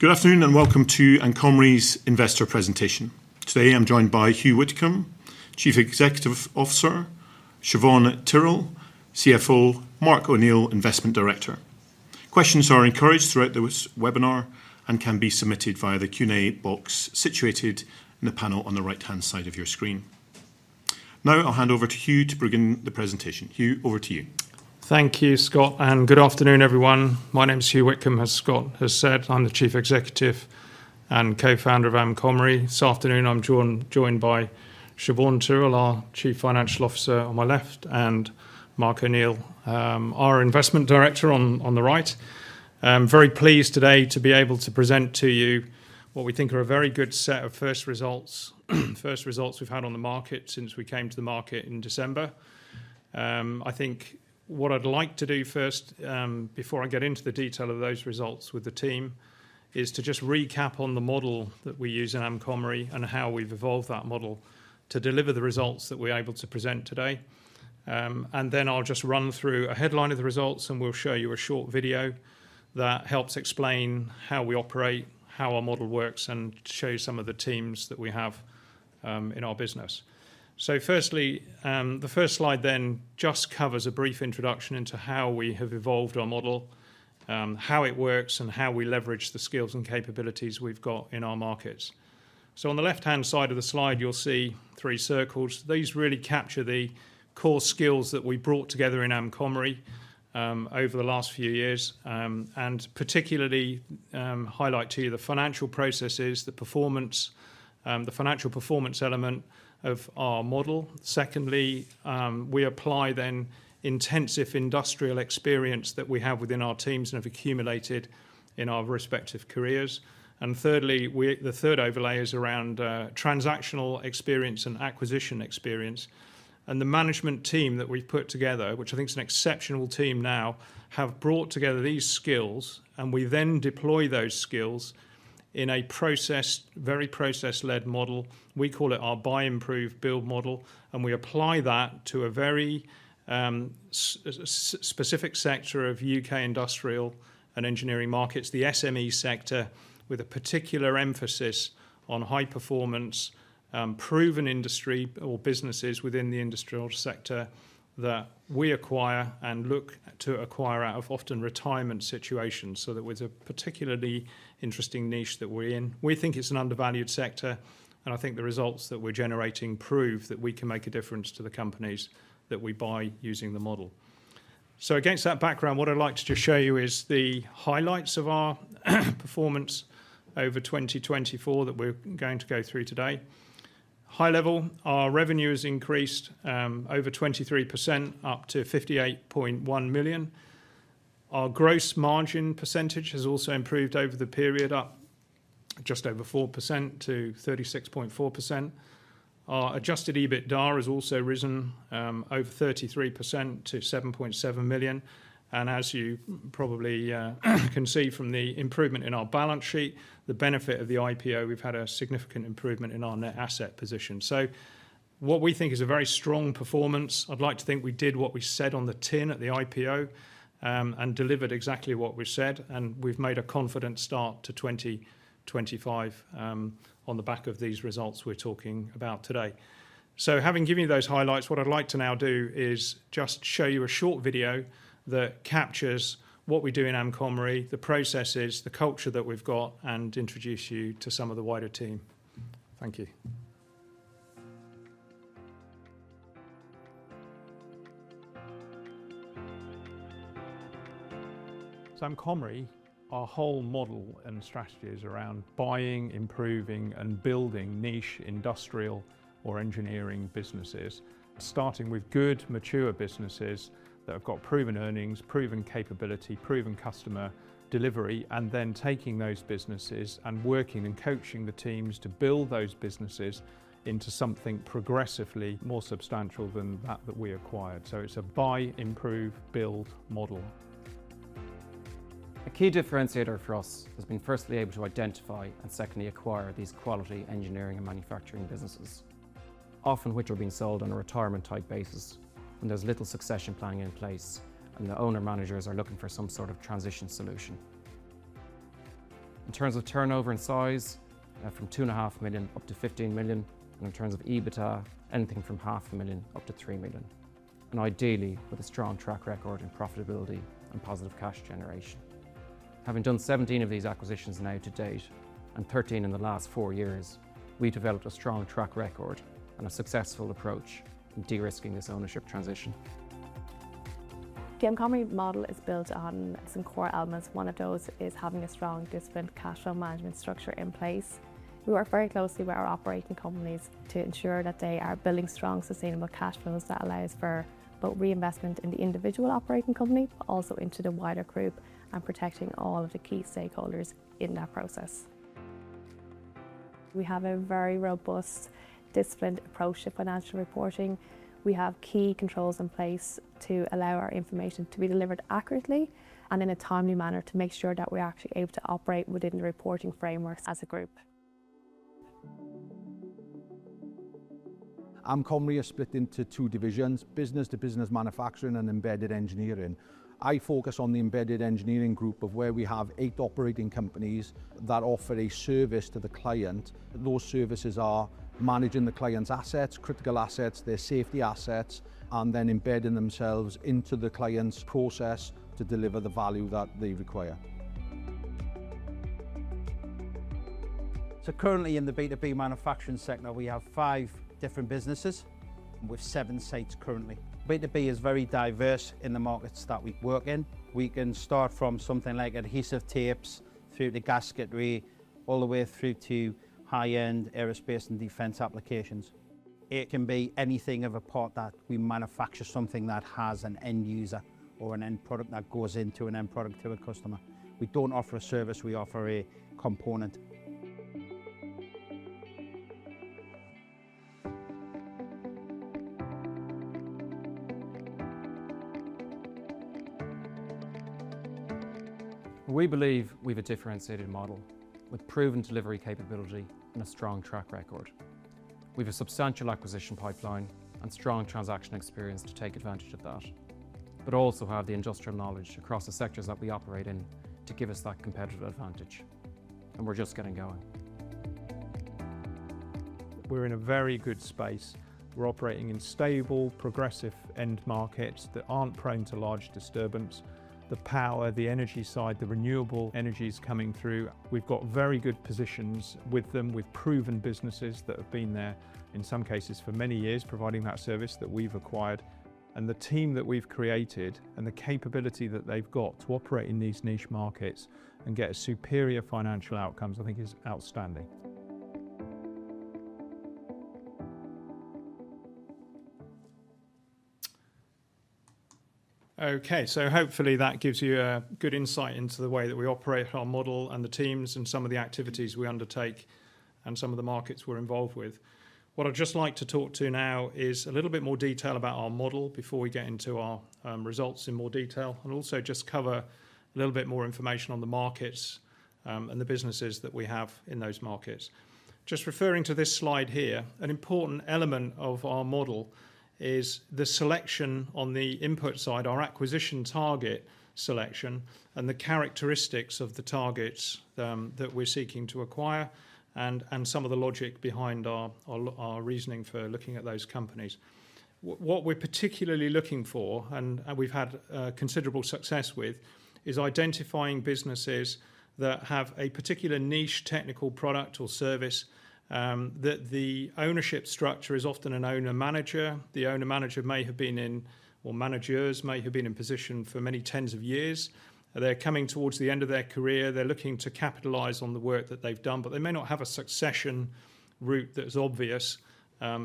Good afternoon and welcome to Amcomri's investor presentation. Today, I'm joined by Hugh Whitcomb, Chief Executive Officer, Siobhán Tyrrell, CFO, Mark O'Neill, Investment Director. Questions are encouraged throughout this webinar and can be submitted via the Q&A box situated in the panel on the right-hand side of your screen. Now, I'll hand over to Hugh to begin the presentation. Hugh, over to you. Thank you, Scott, and good afternoon, everyone. My name is Hugh Whitcomb, as Scott has said. I'm the Chief Executive and Co-founder of Amcomri. This afternoon, I'm joined by Siobhán Tyrrell, our Chief Financial Officer, on my left, and Mark O'Neill, our Investment Director, on the right. I'm very pleased today to be able to present to you what we think are a very good set of first results we've had on the market since we came to the market in December. I think what I'd like to do first, before I get into the detail of those results with the team, is to just recap on the model that we use in Amcomri and how we've evolved that model to deliver the results that we're able to present today. Then I'll just run through a headline of the results, and we'll show you a short video that helps explain how we operate, how our model works, and show you some of the teams that we have in our business. Firstly, the first slide then just covers a brief introduction into how we have evolved our model, how it works, and how we leverage the skills and capabilities we've got in our markets. On the left-hand side of the slide, you'll see three circles. These really capture the core skills that we brought together in Amcomri over the last few years, and particularly highlight to you the financial processes, the financial performance element of our model. Secondly, we apply then intensive industrial experience that we have within our teams and have accumulated in our respective careers. Thirdly, the third overlay is around transactional experience and acquisition experience. The management team that we've put together, which I think is an exceptional team now, have brought together these skills, and we then deploy those skills in a very process-led model. We call it our buy, improve, build model, and we apply that to a very specific sector of U.K. industrial and engineering markets, the SME sector, with a particular emphasis on high performance, proven industry or businesses within the industrial sector that we acquire and look to acquire out of often retirement situations. That there's a particularly interesting niche that we're in. We think it's an undervalued sector, and I think the results that we're generating prove that we can make a difference to the companies that we buy using the model. Against that background, what I'd like to just show you is the highlights of our performance over 2024 that we're going to go through today. High level, our revenue has increased over 23%, up to 58.1 million. Our gross margin percentage has also improved over the period, up just over 4% to 36.4%. Our adjusted EBITDA has also risen over 33% to 7.7 million. As you probably can see from the improvement in our balance sheet, the benefit of the IPO, we've had a significant improvement in our net asset position. What we think is a very strong performance. I'd like to think we did what we said on the tin at the IPO, delivered exactly what we said, we've made a confident start to 2025 on the back of these results we're talking about today. Having given you those highlights, what I'd like to now do is just show you a short video that captures what we do in Amcomri, the processes, the culture that we've got, and introduce you to some of the wider team. Thank you. Amcomri, our whole model and strategy is around buying, improving, and building niche industrial or engineering businesses, starting with good, mature businesses that have got proven earnings, proven capability, proven customer delivery, then taking those businesses working and coaching the teams to build those businesses into something progressively more substantial than that which we acquired. It's a buy, improve, build model. A key differentiator for us has been firstly able to identify and secondly acquire these quality engineering and manufacturing businesses, often which are being sold on a retirement-type basis when there's little succession planning in place and the owner-managers are looking for some sort of transition solution. In terms of turnover and size, from 2.5 million up to 15 million, in terms of EBITDA, anything from half a million up to 3 million, ideally with a strong track record in profitability and positive cash generation. Having done 17 of these acquisitions now to date, 13 in the last four years, we developed a strong track record and a successful approach in de-risking this ownership transition. The Amcomri model is built on some core elements. One of those is having a strong, disciplined cash flow management structure in place. We work very closely with our operating companies to ensure that they are building strong, sustainable cash flows that allows for both reinvestment in the individual operating company, also into the wider group protecting all of the key stakeholders in that process. We have a very robust, disciplined approach to financial reporting. We have key controls in place to allow our information to be delivered accurately and in a timely manner to make sure that we're actually able to operate within the reporting frameworks as a group. Amcomri is split into two divisions, business to business manufacturing and embedded engineering. I focus on the embedded engineering group of where we have eight operating companies that offer a service to the client. Those services are managing the client's assets, critical assets, their safety assets, and then embedding themselves into the client's process to deliver the value that they require. Currently in the B2B manufacturing sector, we have five different businesses with seven sites currently. B2B is very diverse in the markets that we work in. We can start from something like adhesive tapes through to gasketry, all the way through to high-end aerospace and defense applications. It can be anything of a part that we manufacture something that has an end user or an end product that goes into an end product to a customer. We don't offer a service, we offer a component. We believe we've a differentiated model with proven delivery capability and a strong track record. We've a substantial acquisition pipeline and strong transaction experience to take advantage of that, also have the industrial knowledge across the sectors that we operate in to give us that competitive advantage. We're just getting going. We're in a very good space. We're operating in stable, progressive end markets that aren't prone to large disturbance. The power, the energy side, the renewable energies coming through. We've got very good positions with them, with proven businesses that have been there, in some cases, for many years, providing that service that we've acquired. The team that we've created and the capability that they've got to operate in these niche markets and get superior financial outcomes, I think is outstanding. Hopefully that gives you a good insight into the way that we operate our model and the teams and some of the activities we undertake and some of the markets we're involved with. What I'd just like to talk to now is a little bit more detail about our model before we get into our results in more detail, and also just cover a little bit more information on the markets, and the businesses that we have in those markets. Just referring to this slide here, an important element of our model is the selection on the input side, our acquisition target selection, and the characteristics of the targets that we're seeking to acquire and some of the logic behind our reasoning for looking at those companies. What we're particularly looking for, and we've had considerable success with, is identifying businesses that have a particular niche technical product or service, that the ownership structure is often an owner/manager. The owner/manager may have been in, or managers may have been in position for many tens of years. They're coming towards the end of their career. They're looking to capitalize on the work that they've done, but they may not have a succession route that's obvious.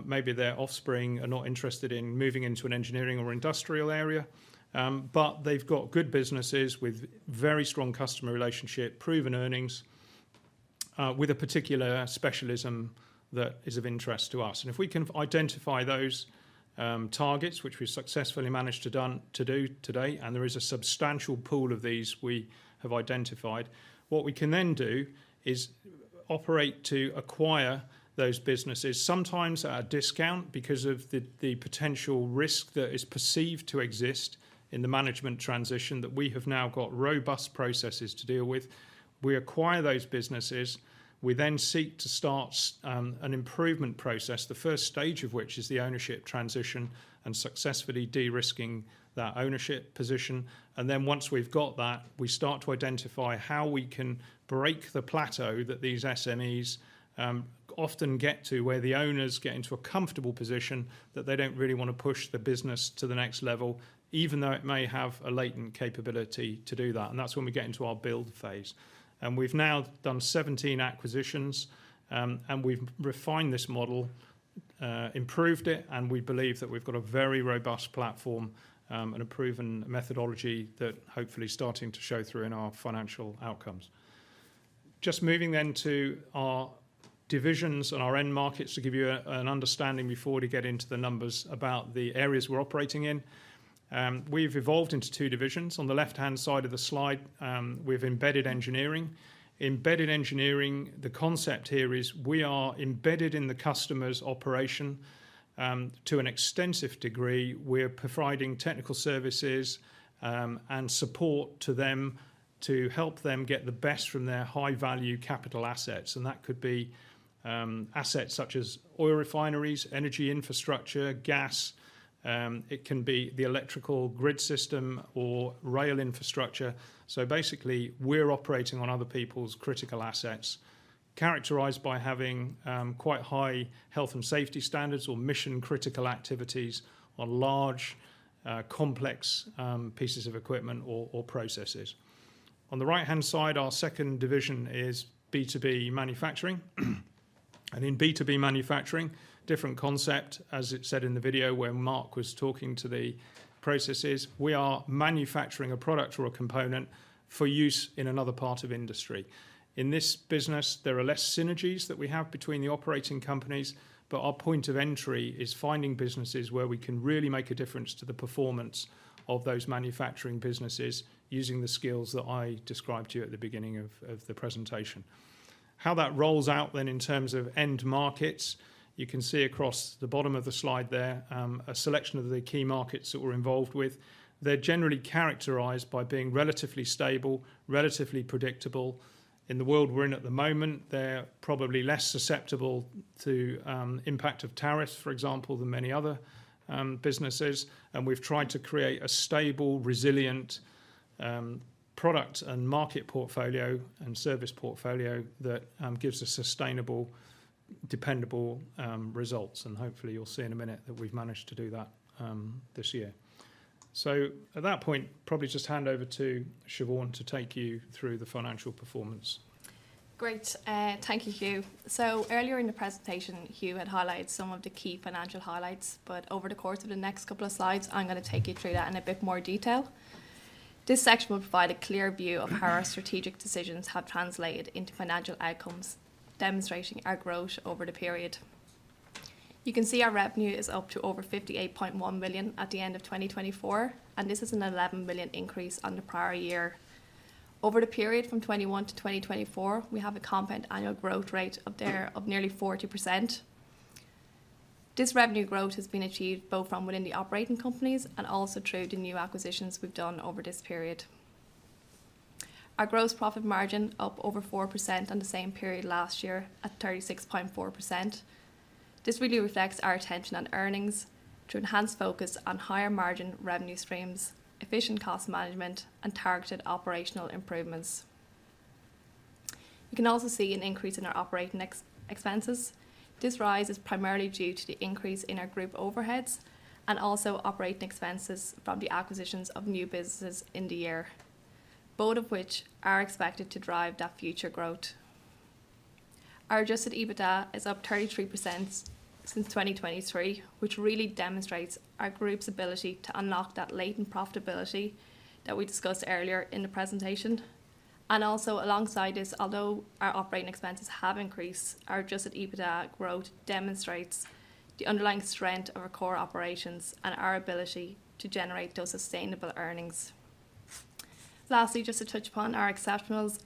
Maybe their offspring are not interested in moving into an engineering or industrial area. They've got good businesses with very strong customer relationship, proven earnings, with a particular specialism that is of interest to us. If we can identify those targets, which we've successfully managed to do to date, and there is a substantial pool of these we have identified. What we can then do is operate to acquire those businesses, sometimes at a discount because of the potential risk that is perceived to exist in the management transition that we have now got robust processes to deal with. We acquire those businesses. We seek to start an improvement process, the stage 1 of which is the ownership transition and successfully de-risking that ownership position. Once we've got that, we start to identify how we can break the plateau that these SMEs often get to where the owners get into a comfortable position that they don't really want to push the business to the next level, even though it may have a latent capability to do that, and that's when we get into our build phase. We've now done 17 acquisitions, and we've refined this model, improved it, and we believe that we've got a very robust platform, and a proven methodology that hopefully starting to show through in our financial outcomes. Just moving to our divisions and our end markets to give you an understanding before we get into the numbers about the areas we're operating in. We've evolved into two divisions. On the left-hand side of the slide, we've embedded engineering. Embedded engineering, the concept here is we are embedded in the customer's operation, to an extensive degree. We're providing technical services, and support to them to help them get the best from their high-value capital assets, and that could be assets such as oil refineries, energy infrastructure, gas. It can be the electrical grid system or rail infrastructure. Basically, we're operating on other people's critical assets, characterized by having quite high health and safety standards or mission-critical activities on large, complex pieces of equipment or processes. On the right-hand side, our second division is B2B manufacturing. In B2B manufacturing, different concept, as it said in the video where Mark was talking to the processes. We are manufacturing a product or a component for use in another part of industry. In this business, there are less synergies that we have between the operating companies, but our point of entry is finding businesses where we can really make a difference to the performance of those manufacturing businesses using the skills that I described to you at the beginning of the presentation. How that rolls out then in terms of end markets, you can see across the bottom of the slide there, a selection of the key markets that we're involved with. They're generally characterized by being relatively stable, relatively predictable. In the world we're in at the moment, they're probably less susceptible to impact of tariffs, for example, than many other businesses. We've tried to create a stable, resilient, product and market portfolio and service portfolio that gives a sustainable, dependable result. Hopefully, you'll see in a minute that we've managed to do that this year. At that point, probably just hand over to Siobhán to take you through the financial performance. Great. Thank you, Hugh. Earlier in the presentation, Hugh had highlighted some of the key financial highlights. Over the course of the next couple of slides, I'm going to take you through that in a bit more detail. This section will provide a clear view of how our strategic decisions have translated into financial outcomes, demonstrating our growth over the period. You can see our revenue is up to over 58.1 million at the end of 2024, and this is a 11 million increase on the prior year. Over the period from 2021 to 2024, we have a compound annual growth rate of nearly 40%. This revenue growth has been achieved both from within the operating companies and also through the new acquisitions we've done over this period. Our gross profit margin up over 4% on the same period last year at 36.4%. This really reflects our attention on earnings to enhance focus on higher-margin revenue streams, efficient cost management, and targeted operational improvements. You can also see an increase in our operating expenses. This rise is primarily due to the increase in our group overheads and also operating expenses from the acquisitions of new businesses in the year, both of which are expected to drive that future growth. Our adjusted EBITDA is up 33% since 2023, which really demonstrates our group's ability to unlock that latent profitability that we discussed earlier in the presentation. Also alongside this, although our operating expenses have increased, our adjusted EBITDA growth demonstrates the underlying strength of our core operations and our ability to generate those sustainable earnings. Lastly, just to touch upon our exceptionals.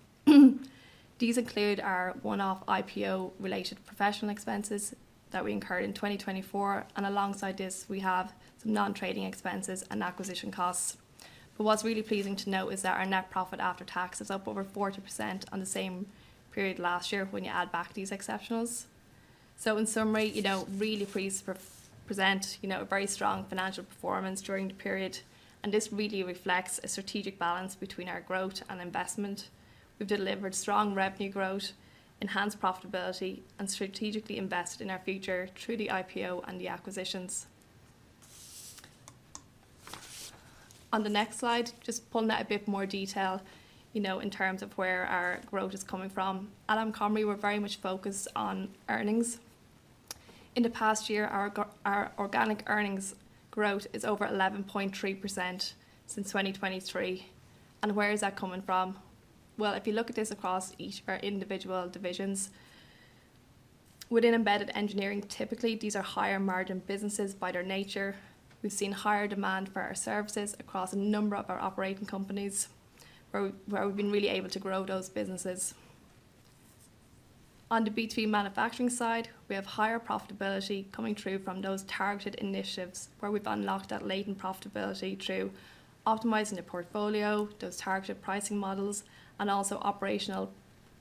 These include our one-off IPO-related professional expenses that we incurred in 2024. Alongside this, we have some non-trading expenses and acquisition costs. What's really pleasing to note is that our net profit after tax is up over 40% on the same period last year when you add back these exceptionals. In summary, really pleased to present a very strong financial performance during the period, and this really reflects a strategic balance between our growth and investment. We've delivered strong revenue growth, enhanced profitability, and strategically invest in our future through the IPO and the acquisitions. On the next slide, just pulling out a bit more detail, in terms of where our growth is coming from. At Amcomri, we're very much focused on earnings. In the past year, our organic earnings growth is over 11.3% since 2023. Where is that coming from? If you look at this across each of our individual divisions, within Embedded Engineering, typically, these are higher-margin businesses by their nature. We've seen higher demand for our services across a number of our operating companies, where we've been really able to grow those businesses. On the B2B manufacturing side, we have higher profitability coming through from those targeted initiatives, where we've unlocked that latent profitability through optimizing the portfolio, those targeted pricing models, and also operational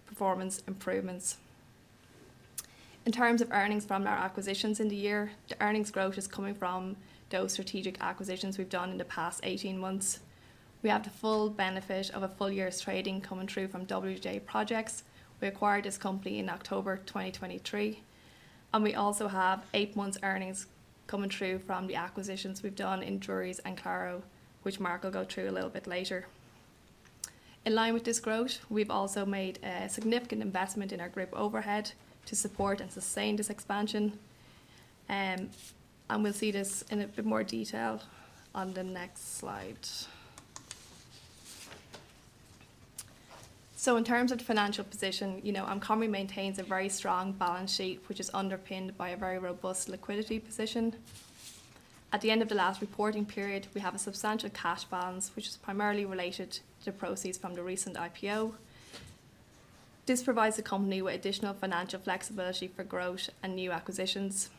performance improvements. In terms of earnings from our acquisitions in the year, the earnings growth is coming from those strategic acquisitions we've done in the past 18 months. We have the full benefit of a full year's trading coming through from WJ Projects. We acquired this company in October 2023. We also have eight months' earnings coming through from the acquisitions we've done in Drury's and Claro, which Mark will go through a little bit later. In line with this growth, we've also made a significant investment in our group overhead to support and sustain this expansion. We'll see this in a bit more detail on the next slide. In terms of the financial position, Amcomri maintains a very strong balance sheet, which is underpinned by a very robust liquidity position. At the end of the last reporting period, we have a substantial cash balance, which is primarily related to proceeds from the recent IPO. This provides the company with additional financial flexibility for growth and new acquisitions.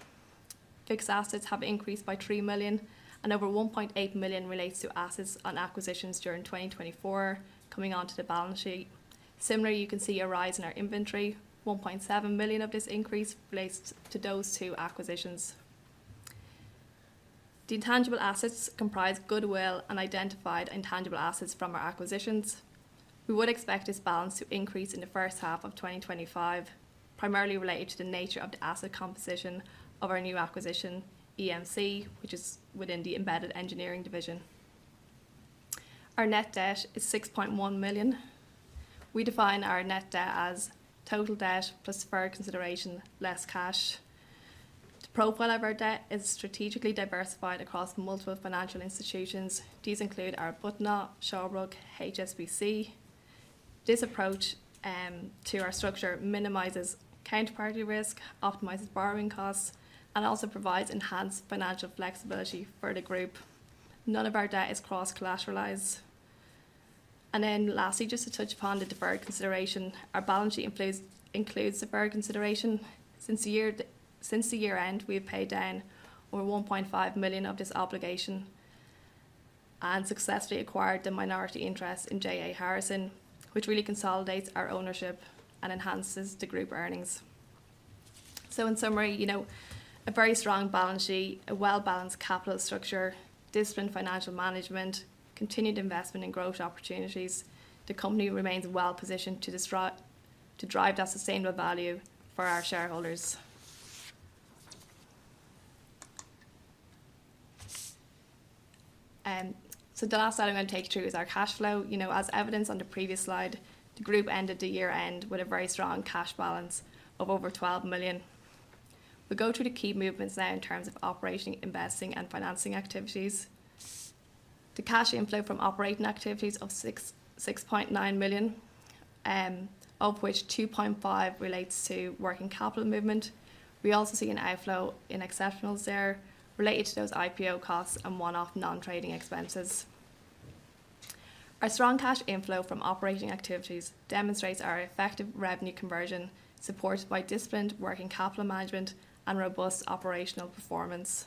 Fixed assets have increased by 3 million and over 1.8 million relates to assets on acquisitions during 2024 coming onto the balance sheet. Similarly, you can see a rise in our inventory, 1.7 million of this increase relates to those two acquisitions. The intangible assets comprise goodwill and identified intangible assets from our acquisitions. We would expect this balance to increase in the first half of 2025, primarily related to the nature of the asset composition of our new acquisition, EMC, which is within the Embedded Engineering division. Our net debt is 6.1 million. We define our net debt as total debt plus fair consideration, less cash. The profile of our debt is strategically diversified across multiple financial institutions. These include our Bothar, Shawbrook, HSBC. This approach to our structure minimizes counterparty risk, optimizes borrowing costs, and also provides enhanced financial flexibility for the group. None of our debt is cross-collateralized. Lastly, just to touch upon the deferred consideration, our balance sheet includes deferred consideration. Since the year-end, we have paid down over 1.5 million of this obligation and successfully acquired the minority interest in J A Harrison, which really consolidates our ownership and enhances the group earnings. In summary, a very strong balance sheet, a well-balanced capital structure, disciplined financial management, continued investment in growth opportunities. The company remains well-positioned to drive that sustainable value for our shareholders. The last slide I'm going to take you through is our cash flow. As evidenced on the previous slide, the group ended the year-end with a very strong cash balance of over 12 million. We go through the key movements now in terms of operating, investing, and financing activities. The cash inflow from operating activities of 6.9 million, of which 2.5 million relates to working capital movement. We also see an outflow in exceptionals there related to those IPO costs and one-off non-trading expenses. Our strong cash inflow from operating activities demonstrates our effective revenue conversion, supported by disciplined working capital management and robust operational performance.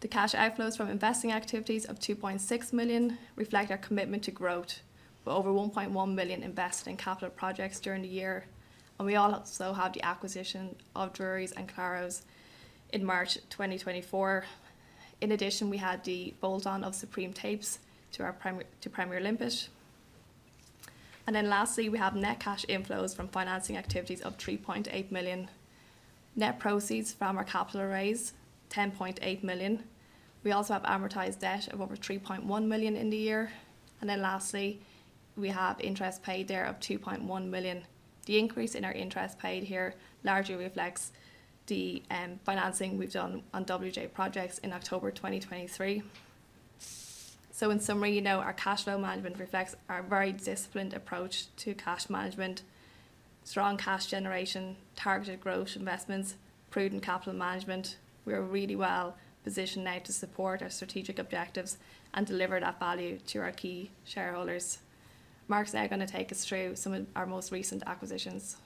The cash outflows from investing activities of 2.6 million reflect our commitment to growth, with over 1.1 million invested in capital projects during the year. We also have the acquisition of Drury's and Claro's in March 2024. In addition, we had the bolt-on of Supreme Tapes to Premier Limpet. Lastly, we have net cash inflows from financing activities of 3.8 million. Net proceeds from our capital raise, 10.8 million. We also have amortized debt of over 3.1 million in the year. Lastly, we have interest paid there of 2.1 million. The increase in our interest paid here largely reflects the financing we've done on WJ Projects in October 2023. In summary, our cash flow management reflects our very disciplined approach to cash management, strong cash generation, targeted growth investments, prudent capital management. We are really well-positioned now to support our strategic objectives and deliver that value to our key shareholders. Mark's now going to take us through some of our most recent acquisitions.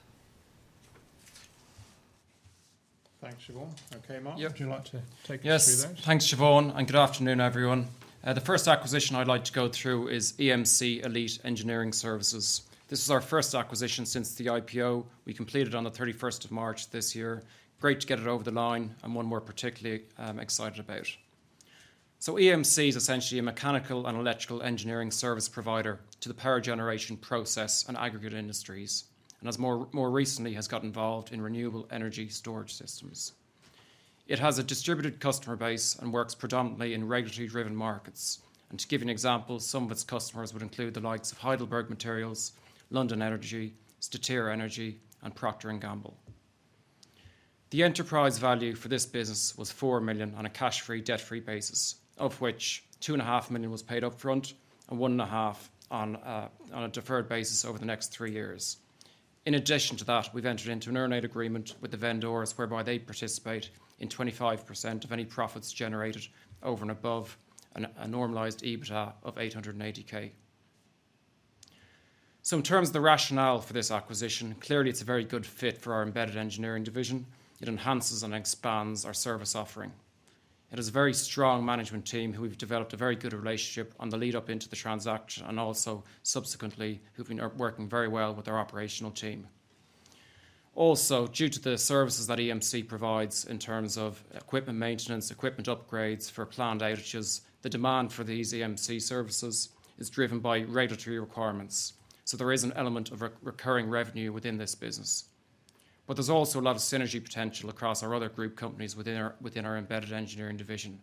Thanks, Siobhán. Okay, Mark- Yeah. Would you like to take us through those? Yes. Thanks, Siobhán, and good afternoon, everyone. The first acquisition I'd like to go through is EMC, Elite Engineering Services. This is our first acquisition since the IPO. We completed on the 31st of March this year. Great to get it over the line, and one we're particularly excited about. EMC is essentially a mechanical and electrical engineering service provider to the power generation process and aggregate industries, and more recently has got involved in renewable energy storage systems. It has a distributed customer base and works predominantly in regulatory-driven markets. To give you an example, some of its customers would include the likes of Heidelberg Materials, LondonEnergy, Statera Energy, and Procter & Gamble. The enterprise value for this business was 4 million on a cash-free, debt-free basis, of which two and a half million was paid up front and one and a half million on a deferred basis over the next 3 years. In addition to that, we've entered into an earn-out agreement with the vendors, whereby they participate in 25% of any profits generated over and above a normalized EBITDA of 880K. In terms of the rationale for this acquisition, clearly, it's a very good fit for our embedded engineering division. It enhances and expands our service offering. It has a very strong management team who we've developed a very good relationship on the lead-up into the transaction, and also subsequently, who've been working very well with our operational team. Also, due to the services that EMC provides in terms of equipment maintenance, equipment upgrades for planned outages, the demand for these EMC services is driven by regulatory requirements. There is an element of recurring revenue within this business. There's also a lot of synergy potential across our other group companies within our embedded engineering division.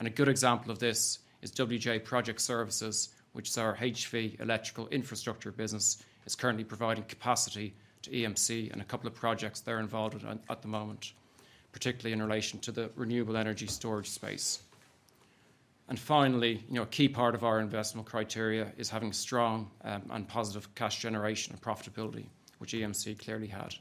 A good example of this is WJ Project Services, which is our HV electrical infrastructure business, is currently providing capacity to EMC in a couple of projects they're involved with at the moment, particularly in relation to the renewable energy storage space. Finally, a key part of our investment criteria is having strong and positive cash generation and profitability, which EMC clearly had.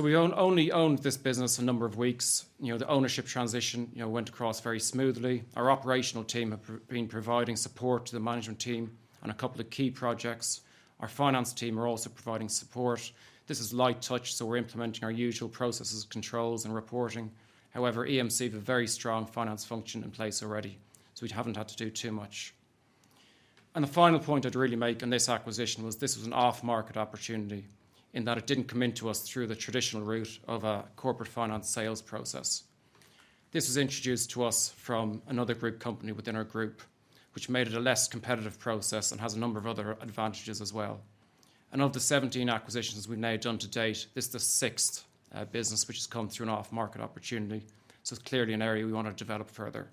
We only owned this business a number of weeks. The ownership transition went across very smoothly. Our operational team have been providing support to the management team on a couple of key projects. Our finance team are also providing support. This is light touch, we're implementing our usual processes, controls, and reporting. However, EMC have a very strong finance function in place already, so we haven't had to do too much. The final point I'd really make on this acquisition was this was an off-market opportunity in that it didn't come into us through the traditional route of a corporate finance sales process. This was introduced to us from another group company within our group, which made it a less competitive process and has a number of other advantages as well. Of the 17 acquisitions we've now done to date, this is the sixth business which has come through an off-market opportunity. It's clearly an area we want to develop further.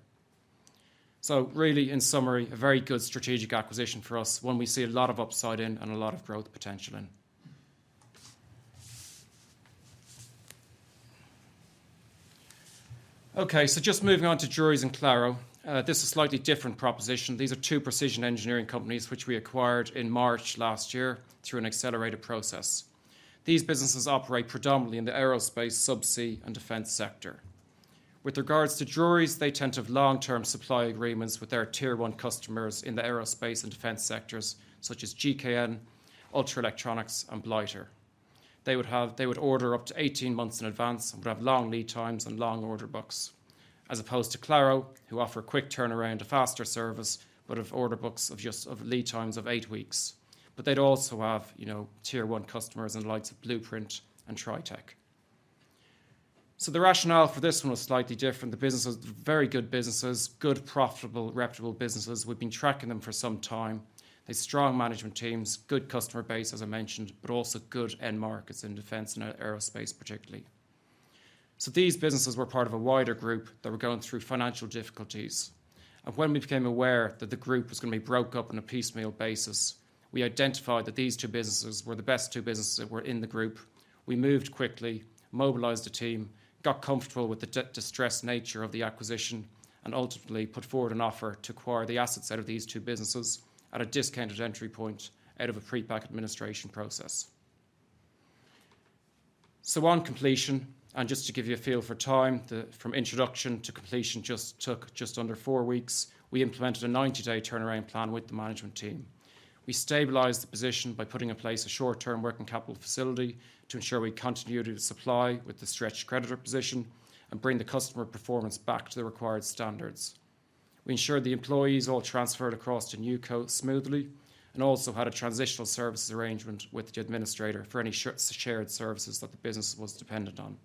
Really, in summary, a very good strategic acquisition for us. One we see a lot of upside in and a lot of growth potential in. Just moving on to Drury's and Claro. This is a slightly different proposition. These are two precision engineering companies, which we acquired in March last year through an accelerated process. These businesses operate predominantly in the aerospace, subsea, and defense sector. With regards to Drury's, they tend to have long-term supply agreements with their tier 1 customers in the aerospace and defense sectors, such as GKN, Ultra Electronics, and Blighter. They would order up to 18 months in advance and would have long lead times and long order books. As opposed to Claro, who offer quick turnaround, a faster service, but have order books of lead times of eight weeks. They'd also have tier 1 customers in the likes of Blueprint and Tritech. The rationale for this one was slightly different. The businesses are very good businesses, good, profitable, reputable businesses. We've been tracking them for some time. They had strong management teams, good customer base, as I mentioned, but also good end markets in defense and aerospace particularly. These businesses were part of a wider group that were going through financial difficulties. When we became aware that the group was going to be broke up on a piecemeal basis, we identified that these two businesses were the best two businesses that were in the group. We moved quickly, mobilized a team, got comfortable with the distressed nature of the acquisition, and ultimately put forward an offer to acquire the assets out of these two businesses at a discounted entry point out of a pre-pack administration process. On completion, and just to give you a feel for time, from introduction to completion took just under four weeks. We implemented a 90-day turnaround plan with the management team. We stabilized the position by putting in place a short-term working capital facility to ensure we continued to supply with the stretched creditor position and bring the customer performance back to the required standards. We ensured the employees all transferred across to NewCo smoothly and also had a transitional services arrangement with the administrator for any shared services that the business was dependent on.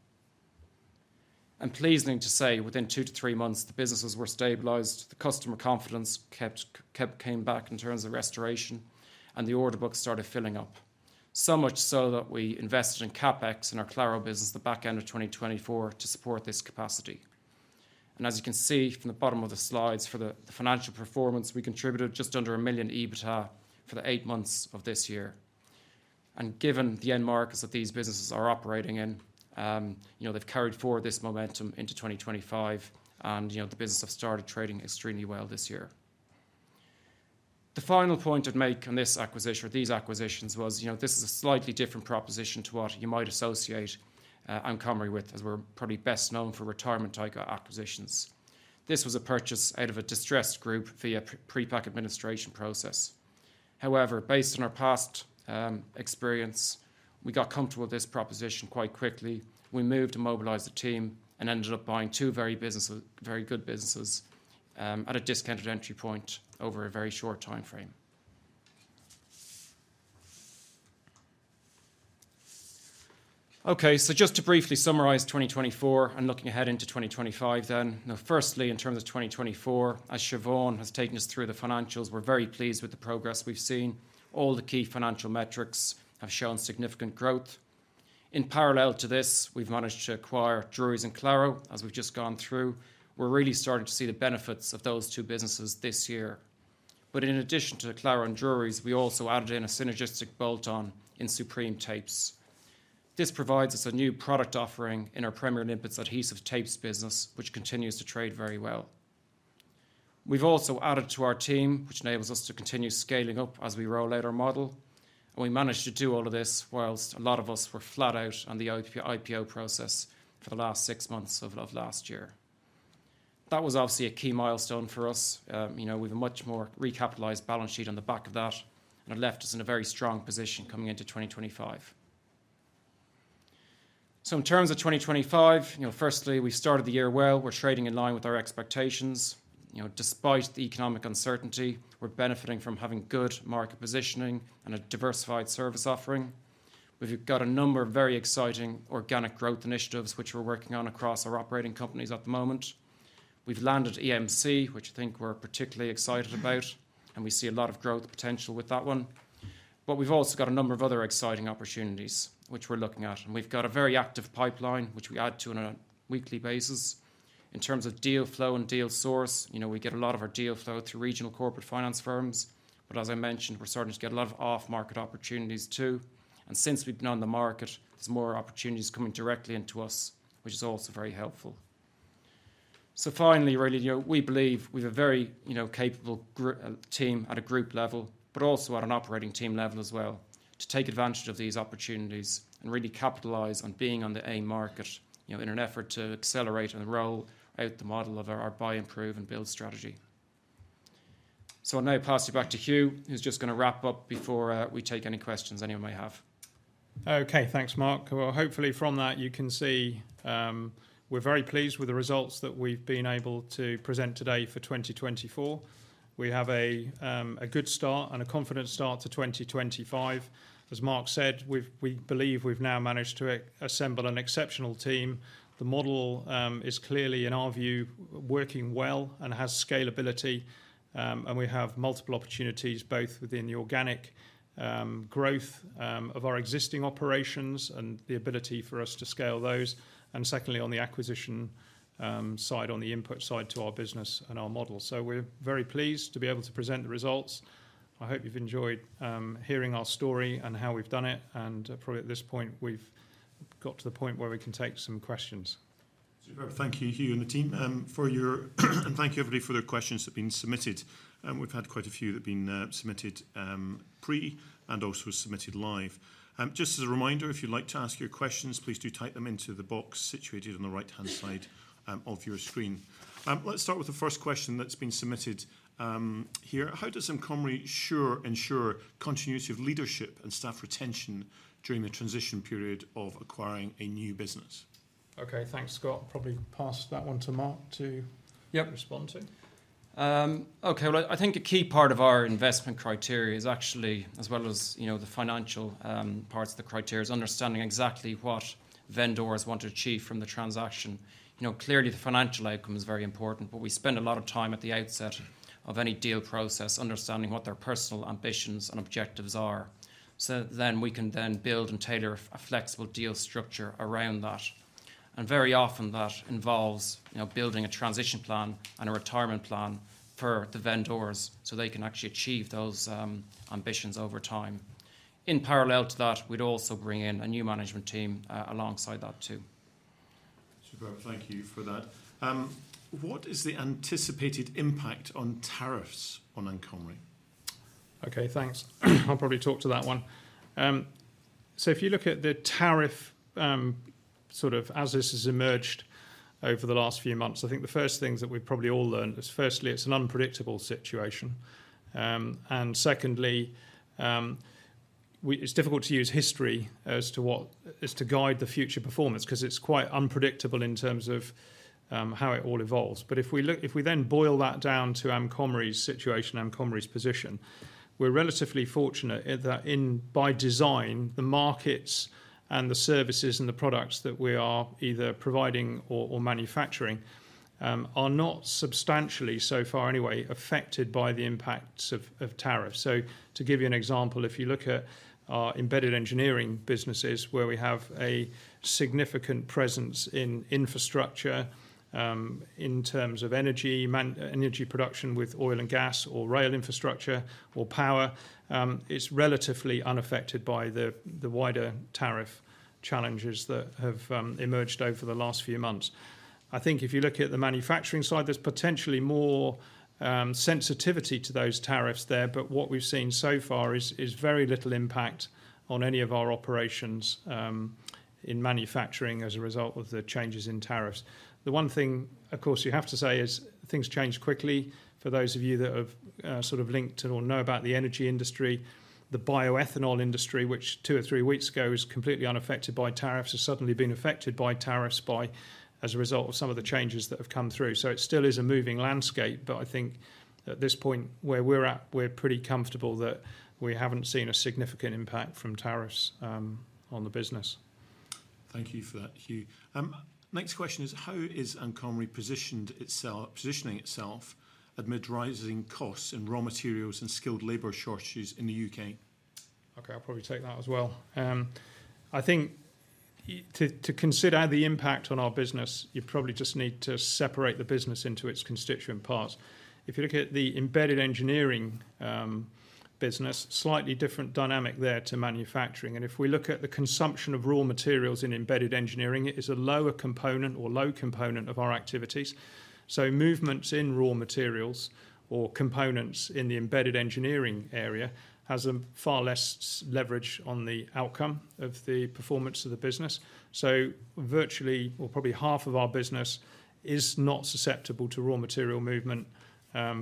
Pleasing to say, within two to three months, the businesses were stabilized, the customer confidence came back in terms of restoration, the order book started filling up. Much so that we invested in CapEx in our Claro business the back end of 2024 to support this capacity. As you can see from the bottom of the slides for the financial performance, we contributed just under 1 million EBITDA for the eight months of this year. Given the end markets that these businesses are operating in, they've carried forward this momentum into 2025, the business have started trading extremely well this year. The final point I'd make on these acquisitions was, this is a slightly different proposition to what you might associate Amcomri with, as we're probably best known for retirement-type acquisitions. This was a purchase out of a distressed group via pre-pack administration process. Based on our past experience, we got comfortable with this proposition quite quickly. We moved and mobilized the team and ended up buying two very good businesses, at a discounted entry point over a very short timeframe. Just to briefly summarize 2024 and looking ahead into 2025 then. Firstly, in terms of 2024, as Siobhán has taken us through the financials, we're very pleased with the progress we've seen. All the key financial metrics have shown significant growth. In parallel to this, we've managed to acquire Drury's and Claro, as we've just gone through. We're really starting to see the benefits of those two businesses this year. In addition to Claro and Drury's, we also added in a synergistic bolt-on in Supreme Tapes. This provides us a new product offering in our Premier Limpet's adhesive tapes business, which continues to trade very well. We've also added to our team, which enables us to continue scaling up as we roll out our model, we managed to do all of this whilst a lot of us were flat out on the IPO process for the last six months of last year. That was obviously a key milestone for us. We've a much more recapitalized balance sheet on the back of that, it left us in a very strong position coming into 2025. In terms of 2025, firstly, we started the year well. We're trading in line with our expectations. Despite the economic uncertainty, we're benefiting from having good market positioning and a diversified service offering. We've got a number of very exciting organic growth initiatives which we're working on across our operating companies at the moment. We've landed EMC, which I think we're particularly excited about, we see a lot of growth potential with that one. We've also got a number of other exciting opportunities which we're looking at, we've got a very active pipeline, which we add to on a weekly basis. In terms of deal flow and deal source, we get a lot of our deal flow through regional corporate finance firms, as I mentioned, we're starting to get a lot of off-market opportunities, too. Since we've been on the market, there's more opportunities coming directly into us, which is also very helpful. Finally, really, we believe we've a very capable team at a group level, but also at an operating team level as well, to take advantage of these opportunities and really capitalize on being on the AIM market, in an effort to accelerate and roll out the model of our buy, improve, build strategy. I'll now pass you back to Hugh, who's just going to wrap up before we take any questions anyone may have. Okay. Thanks, Mark. Well, hopefully from that you can see we're very pleased with the results that we've been able to present today for 2024. We have a good start and a confident start to 2025. As Mark said, we believe we've now managed to assemble an exceptional team. The model is clearly, in our view, working well and has scalability. We have multiple opportunities both within the organic growth of our existing operations and the ability for us to scale those, and secondly, on the acquisition side, on the input side to our business and our model. We're very pleased to be able to present the results. I hope you've enjoyed hearing our story and how we've done it. Probably at this point, we've got to the point where we can take some questions. Superb. Thank you, Hugh, and the team. Thank you, everybody, for the questions that have been submitted. We've had quite a few that have been submitted pre and also submitted live. Just as a reminder, if you'd like to ask your questions, please do type them into the box situated on the right-hand side of your screen. Let's start with the first question that's been submitted here. How does Amcomri ensure continuity of leadership and staff retention during the transition period of acquiring a new business? Okay. Thanks, Scott. Probably pass that one to Mark to. Yep respond to. Well, I think a key part of our investment criteria is actually, as well as the financial parts of the criteria, is understanding exactly what vendors want to achieve from the transaction. The financial outcome is very important, but we spend a lot of time at the outset of any deal process understanding what their personal ambitions and objectives are, so then we can then build and tailor a flexible deal structure around that. Very often that involves building a transition plan and a retirement plan for the vendors so they can actually achieve those ambitions over time. In parallel to that, we'd also bring in a new management team alongside that, too. Superb. Thank you for that. What is the anticipated impact on tariffs on Amcomri? Okay, thanks. I'll probably talk to that one. If you look at the tariff as this has emerged over the last few months, I think the first things that we've probably all learned is firstly, it's an unpredictable situation, and secondly, it's difficult to use history as to what is to guide the future performance because it's quite unpredictable in terms of how it all evolves. If we then boil that down to Amcomri's situation, Amcomri's position, we're relatively fortunate that by design, the markets and the services and the products that we are either providing or manufacturing are not substantially, so far anyway, affected by the impacts of tariffs. To give you an example, if you look at our embedded engineering businesses where we have a significant presence in infrastructure in terms of energy production with oil and gas or rail infrastructure or power, it's relatively unaffected by the wider tariff challenges that have emerged over the last few months. I think if you look at the manufacturing side, there's potentially more sensitivity to those tariffs there, but what we've seen so far is very little impact on any of our operations in manufacturing as a result of the changes in tariffs. The one thing, of course, you have to say is things change quickly. For those of you that have sort of linked to or know about the energy industry, the bioethanol industry, which two or three weeks ago was completely unaffected by tariffs, has suddenly been affected by tariffs as a result of some of the changes that have come through. It still is a moving landscape, but I think at this point where we're at, we're pretty comfortable that we haven't seen a significant impact from tariffs on the business. Thank you for that, Hugh. Next question is, how is Amcomri positioning itself amid rising costs in raw materials and skilled labor shortages in the U.K.? Okay, I'll probably take that as well. I think to consider the impact on our business you probably just need to separate the business into its constituent parts. If you look at the embedded engineering business, slightly different dynamic there to manufacturing. If we look at the consumption of raw materials in embedded engineering, it is a lower component or low component of our activities. Movements in raw materials or components in the embedded engineering area has a far less leverage on the outcome of the performance of the business. Virtually or probably half of our business is not susceptible to raw material movement,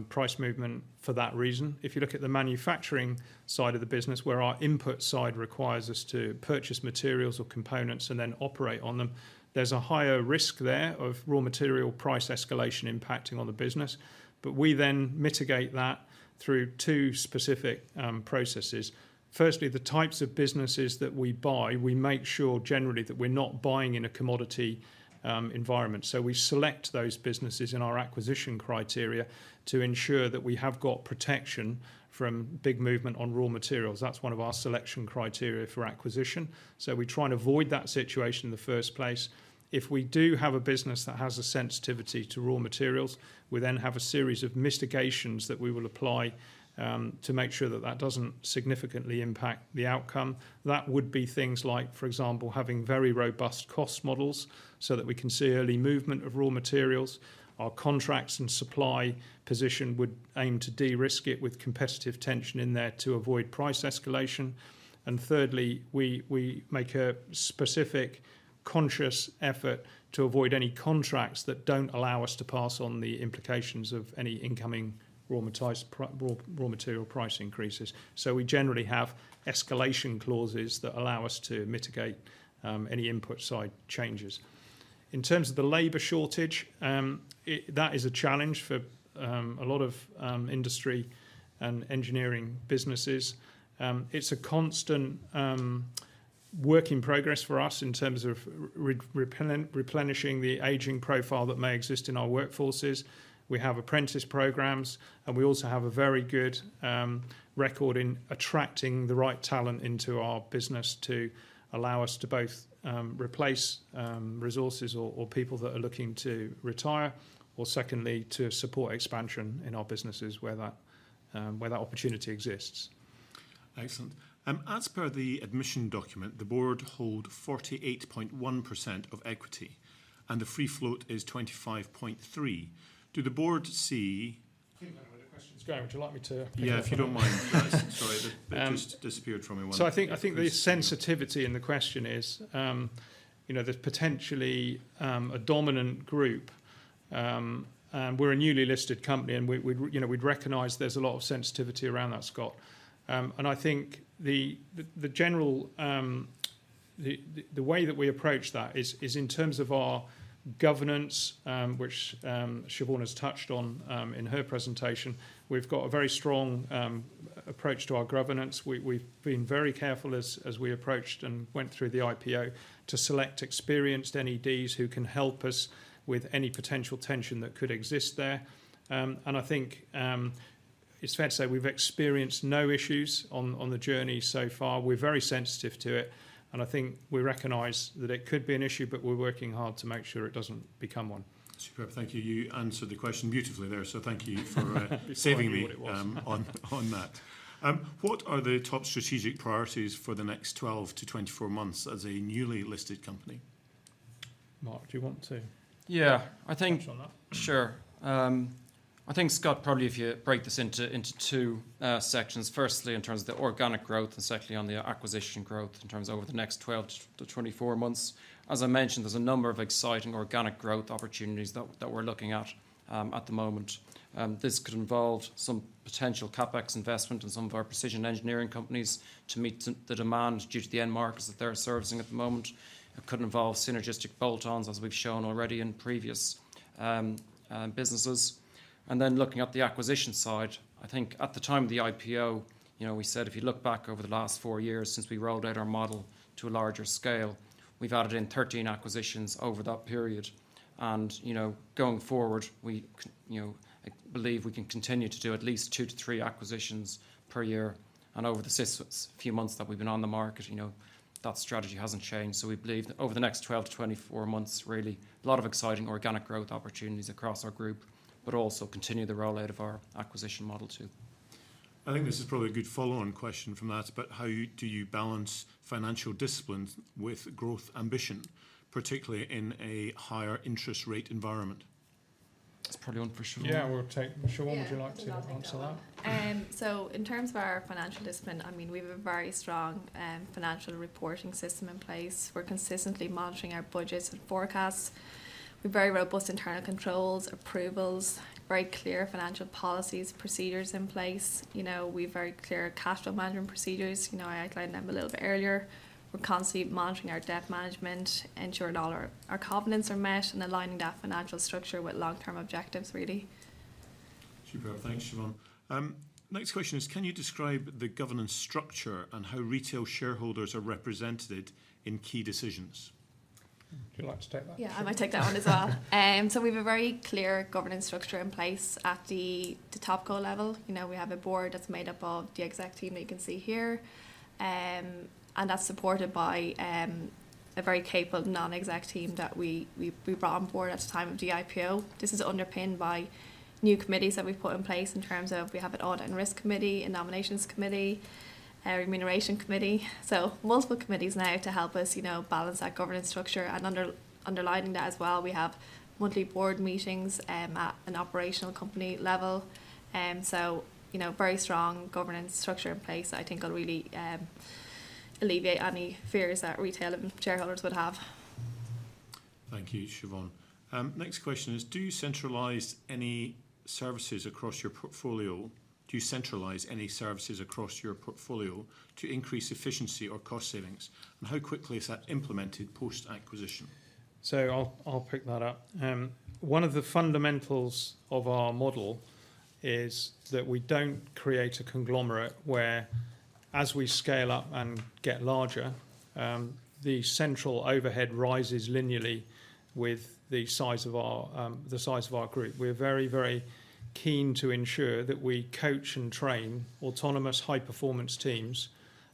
price movement for that reason. If you look at the manufacturing side of the business where our input side requires us to purchase materials or components and then operate on them, there's a higher risk there of raw material price escalation impacting on the business. We then mitigate that through two specific processes. Firstly, the types of businesses that we buy, we make sure generally that we're not buying in a commodity environment. We select those businesses in our acquisition criteria to ensure that we have got protection from big movement on raw materials. That's one of our selection criteria for acquisition. We try and avoid that situation in the first place. If we do have a business that has a sensitivity to raw materials, we then have a series of mitigations that we will apply to make sure that that doesn't significantly impact the outcome. That would be things like, for example, having very robust cost models so that we can see early movement of raw materials. Our contracts and supply position would aim to de-risk it with competitive tension in there to avoid price escalation. Thirdly, we make a specific conscious effort to avoid any contracts that don't allow us to pass on the implications of any incoming raw material price increases. We generally have escalation clauses that allow us to mitigate any input side changes. In terms of the labor shortage, that is a challenge for a lot of industry and engineering businesses. It's a constant work in progress for us in terms of replenishing the aging profile that may exist in our workforces. We have apprentice programs, and we also have a very good record in attracting the right talent into our business to allow us to both replace resources or people that are looking to retire, or secondly, to support expansion in our businesses where that opportunity exists. Excellent. As per the admission document, the board hold 48.1% of equity and the free float is 25.3%. Do the board see- I think that was your question. Graham, would you like me to- Yeah, if you don't mind. Sorry, that just disappeared from me. I think the sensitivity in the question is, there's potentially a dominant group. We're a newly listed company, and we'd recognize there's a lot of sensitivity around that, Scott. I think the way that we approach that is in terms of our governance, which Siobhán has touched on in her presentation. We've got a very strong approach to our governance. We've been very careful as we approached and went through the IPO to select experienced NEDs who can help us with any potential tension that could exist there. I think it's fair to say we've experienced no issues on the journey so far. We're very sensitive to it, and I think we recognize that it could be an issue, but we're working hard to make sure it doesn't become one. Superb. Thank you. You answered the question beautifully there, so thank you for- saving me- It's hard what it was. on that. What are the top strategic priorities for the next 12-24 months as a newly listed company? Mark, do you want to? Yeah. I think. touch on that? Sure. I think, Scott, probably if you break this into 2 sections. Firstly, in terms of the organic growth, secondly, on the acquisition growth in terms over the next 12-24 months. As I mentioned, there is a number of exciting organic growth opportunities that we are looking at the moment. This could involve some potential CapEx investment in some of our precision engineering companies to meet the demand due to the end markets that they are servicing at the moment. It could involve synergistic bolt-ons, as we have shown already in previous businesses. Looking at the acquisition side, I think at the time of the IPO, we said if you look back over the last 4 years since we rolled out our model to a larger scale, we have added in 13 acquisitions over that period. Going forward, I believe we can continue to do at least 2-3 acquisitions per year. Over the few months that we have been on the market, that strategy has not changed. We believe that over the next 12-24 months, really, a lot of exciting organic growth opportunities across our group, but also continue the roll-out of our acquisition model too. I think this is probably a good follow-on question from that, but how do you balance financial discipline with growth ambition, particularly in a higher interest rate environment? That's probably one for Siobhán. Yeah. We'll take Siobhán. Yeah. Would you like to answer that? In terms of our financial discipline, we have a very strong financial reporting system in place. We're consistently monitoring our budgets and forecasts with very robust internal controls, approvals, very clear financial policies, procedures in place. We've very clear cash flow management procedures. I outlined them a little bit earlier. We're constantly monitoring our debt management, ensuring all our covenants are met, and aligning that financial structure with long-term objectives, really. Superb. Thanks, Siobhán. Next question is, can you describe the governance structure and how retail shareholders are represented in key decisions? Would you like to take that? Yeah, I might take that one as well. We have a very clear governance structure in place at the top co level. We have a board that's made up of the exec team that you can see here. That's supported by a very capable non-exec team that we brought on board at the time of the IPO. This is underpinned by new committees that we've put in place in terms of we have an audit and risk committee, a nominations committee, a remuneration committee. Multiple committees now to help us balance that governance structure. Underlining that as well, we have monthly board meetings at an operational company level. Very strong governance structure in place, I think will really alleviate any fears that retail shareholders would have. Thank you, Siobhán. Next question is, do you centralize any services across your portfolio to increase efficiency or cost savings? How quickly is that implemented post-acquisition? I'll pick that up. One of the fundamentals of our model is that we don't create a conglomerate where as we scale up and get larger, the central overhead rises linearly with the size of our group. We're very keen to ensure that we coach and train autonomous high-performance teams,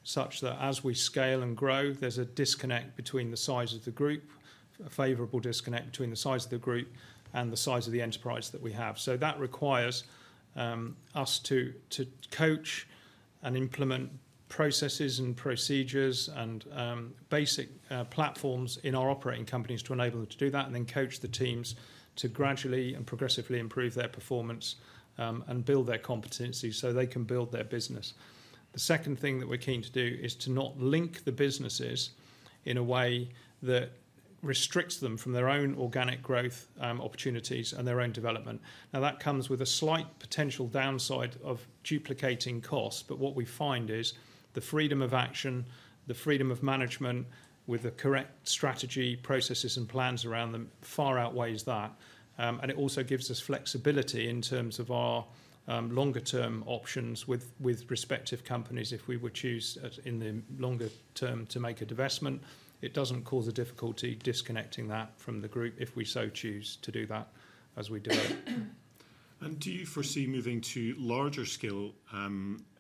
such that as we scale and grow, there's a favorable disconnect between the size of the group and the size of the enterprise that we have. That requires us to coach and implement processes and procedures and basic platforms in our operating companies to enable them to do that, and then coach the teams to gradually and progressively improve their performance, and build their competency so they can build their business. The second thing that we're keen to do is to not link the businesses in a way that restricts them from their own organic growth opportunities and their own development. That comes with a slight potential downside of duplicating costs, but what we find is the freedom of action, the freedom of management with the correct strategy, processes, and plans around them far outweighs that. It also gives us flexibility in terms of our longer-term options with respective companies if we were to choose, in the longer term, to make a divestment. It doesn't cause a difficulty disconnecting that from the group if we so choose to do that as we develop. Do you foresee moving to larger scale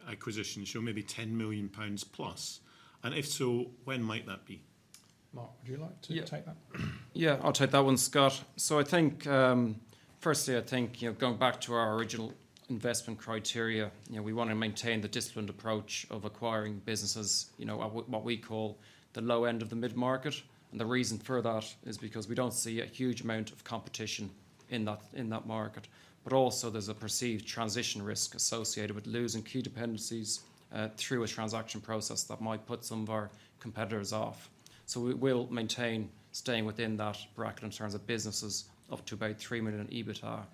acquisitions, so maybe 10 million pounds plus? If so, when might that be? Mark, would you like to take that? I'll take that one, Scott. Firstly, I think going back to our original investment criteria, we want to maintain the disciplined approach of acquiring businesses at what we call the low end of the mid-market. The reason for that is because we don't see a huge amount of competition in that market. Also, there's a perceived transition risk associated with losing key dependencies through a transaction process that might put some of our competitors off. We will maintain staying within that bracket in terms of businesses up to about 3 million in EBITDA.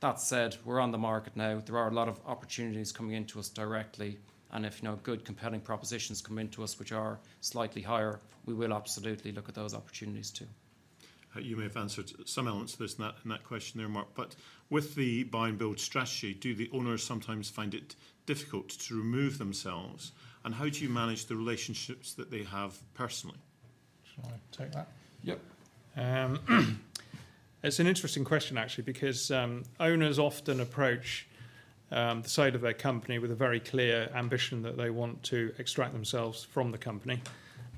That said, we're on the market now. There are a lot of opportunities coming into us directly, and if good compelling propositions come into us, which are slightly higher, we will absolutely look at those opportunities, too. You may have answered some elements of this in that question there, Mark, with the buy and build strategy, do the owners sometimes find it difficult to remove themselves? How do you manage the relationships that they have personally? Shall I take that? Yep. It's an interesting question, actually, because owners often approach the sale of their company with a very clear ambition that they want to extract themselves from the company.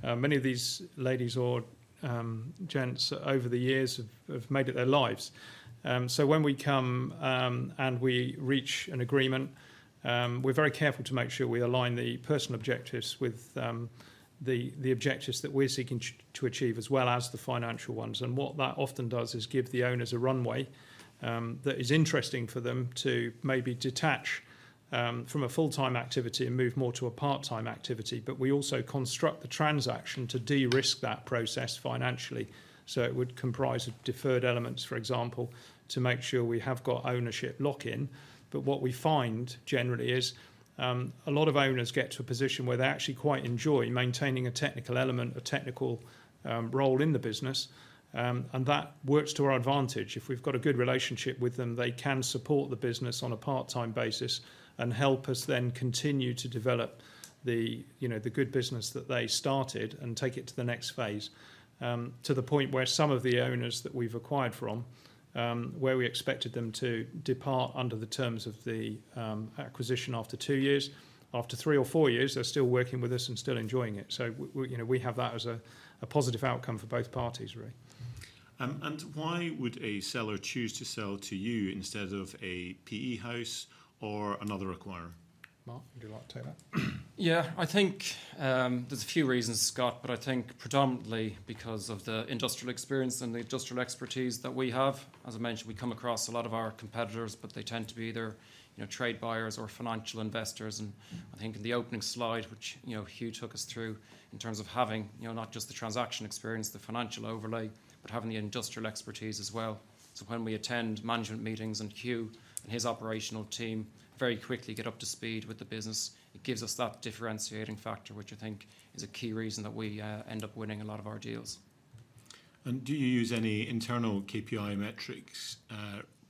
Many of these ladies or gents over the years have made it their lives. When we come and we reach an agreement, we're very careful to make sure we align the personal objectives with the objectives that we're seeking to achieve, as well as the financial ones. What that often does is give the owners a runway that is interesting for them to maybe detach from a full-time activity and move more to a part-time activity. We also construct the transaction to de-risk that process financially, so it would comprise of deferred elements, for example, to make sure we have got ownership lock-in. What we find generally is a lot of owners get to a position where they actually quite enjoy maintaining a technical element, a technical role in the business, and that works to our advantage. If we've got a good relationship with them, they can support the business on a part-time basis and help us then continue to develop the good business that they started and take it to the next phase, to the point where some of the owners that we've acquired from, where we expected them to depart under the terms of the acquisition after two years, after three or four years, they're still working with us and still enjoying it. We have that as a positive outcome for both parties, really. Why would a seller choose to sell to you instead of a PE house or another acquirer? Mark, would you like to take that? Yeah. I think there's a few reasons, Scott. I think predominantly because of the industrial experience and the industrial expertise that we have. As I mentioned, we come across a lot of our competitors. They tend to be either trade buyers or financial investors. I think in the opening slide, which Hugh took us through, in terms of having not just the transaction experience, the financial overlay, but having the industrial expertise as well. When we attend management meetings and Hugh and his operational team very quickly get up to speed with the business, it gives us that differentiating factor, which I think is a key reason that we end up winning a lot of our deals. Do you use any internal KPI metrics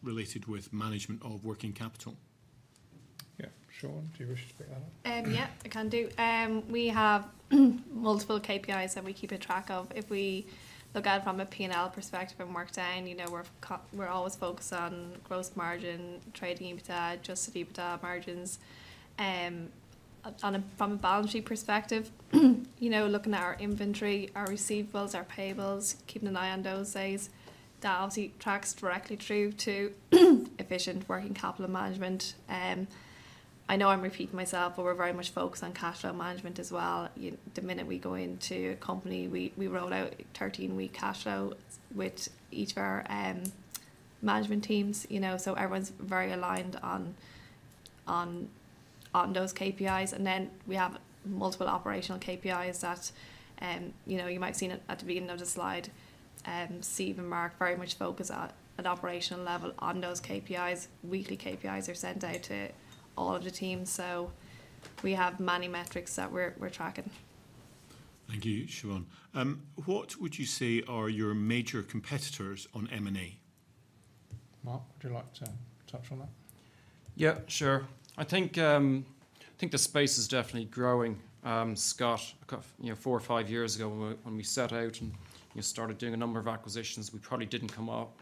related with management of working capital? Yeah. Siobhán, do you wish to pick that up? Yeah, I can do. We have multiple KPIs that we keep a track of. If we look at it from a P&L perspective and work down, we're always focused on gross margin, trading EBITDA, adjusted EBITDA margins. From a balance sheet perspective, looking at our inventory, our receivables, our payables, keeping an eye on those things. That obviously tracks directly through to efficient working capital management. I know I'm repeating myself, but we're very much focused on cash flow management as well. The minute we go into a company, we roll out a 13-week cash flow with each of our management teams, so everyone's very aligned on those KPIs. Then we have multiple operational KPIs that you might have seen at the beginning of the slide. Steve and Mark very much focus at operational level on those KPIs. Weekly KPIs are sent out to all of the team. We have many metrics that we're tracking. Thank you, Siobhán. What would you say are your major competitors on M&A? Mark, would you like to touch on that? Yeah, sure. I think the space is definitely growing, Scott. Four or five years ago when we set out and started doing a number of acquisitions, we probably didn't come up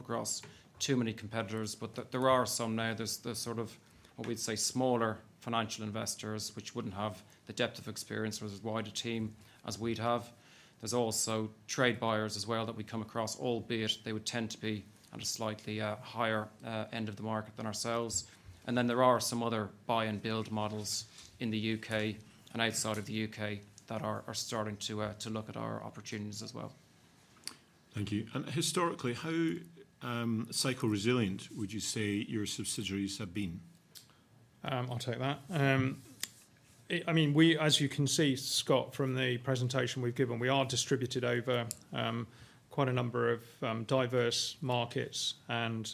across too many competitors, but there are some now. There's the sort of what we'd say smaller financial investors, which wouldn't have the depth of experience or as wide a team as we'd have. There's also trade buyers as well that we come across, albeit they would tend to be at a slightly higher end of the market than ourselves. Then there are some other buy and build models in the U.K. and outside of the U.K. that are starting to look at our opportunities as well. Thank you. Historically, how cycle resilient would you say your subsidiaries have been? I'll take that. As you can see, Scott, from the presentation we've given, we are distributed over quite a number of diverse markets, and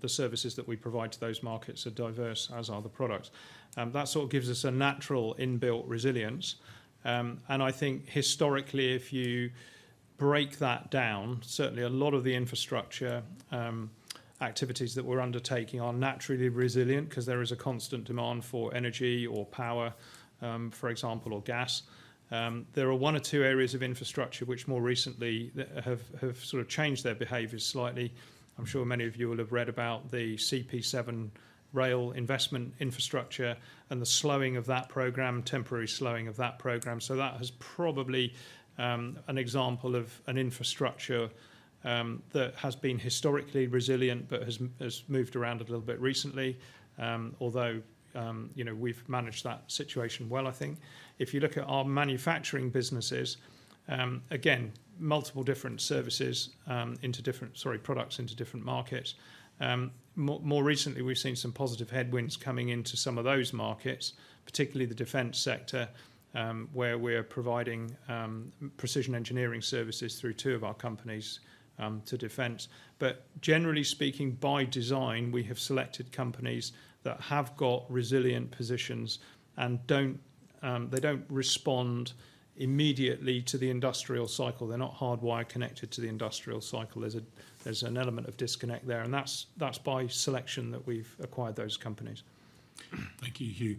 the services that we provide to those markets are diverse, as are the products. That sort of gives us a natural inbuilt resilience. I think historically, if you break that down, certainly a lot of the infrastructure activities that we're undertaking are naturally resilient because there is a constant demand for energy or power, for example, or gas. There are one or two areas of infrastructure which more recently have sort of changed their behaviors slightly. I'm sure many of you will have read about the CP7 rail investment infrastructure and the temporary slowing of that program. That is probably an example of an infrastructure that has been historically resilient but has moved around a little bit recently. We've managed that situation well, I think. If you look at our manufacturing businesses, again, multiple different products into different markets. More recently, we've seen some positive headwinds coming into some of those markets, particularly the defense sector, where we're providing precision engineering services through two of our companies to defense. Generally speaking, by design, we have selected companies that have got resilient positions, and they don't respond immediately to the industrial cycle. They're not hardwired connected to the industrial cycle. There's an element of disconnect there, and that's by selection that we've acquired those companies. Thank you, Hugh.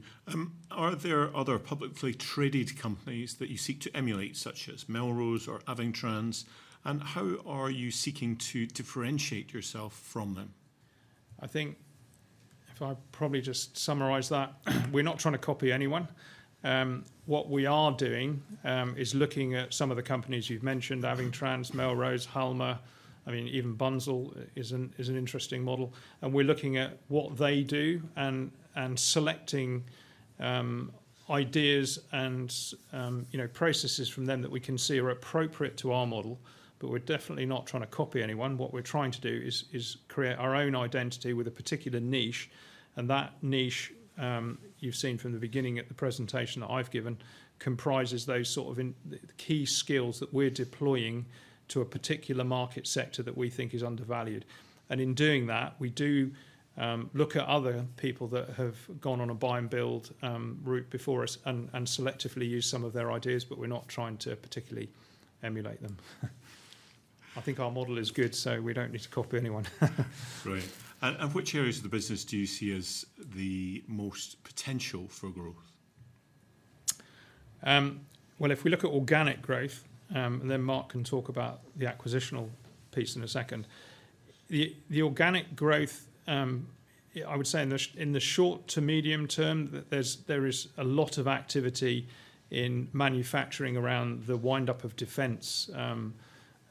Are there other publicly traded companies that you seek to emulate, such as Melrose or Avingtrans? How are you seeking to differentiate yourself from them? I think if I probably just summarize that, we're not trying to copy anyone. What we are doing is looking at some of the companies you've mentioned, Avingtrans, Melrose, Halma, even Bunzl is an interesting model. We're looking at what they do and selecting ideas and processes from them that we can see are appropriate to our model. We're definitely not trying to copy anyone. What we're trying to do is create our own identity with a particular niche. That niche, you've seen from the beginning at the presentation that I've given, comprises those sort of key skills that we're deploying to a particular market sector that we think is undervalued. In doing that, we do look at other people that have gone on a buy and build route before us and selectively use some of their ideas, but we're not trying to particularly emulate them. I think our model is good, so we don't need to copy anyone. Great. Which areas of the business do you see as the most potential for growth? Well, if we look at organic growth, then Mark can talk about the acquisitional piece in a second. The organic growth, I would say in the short to medium term, there is a lot of activity in manufacturing around the windup of defense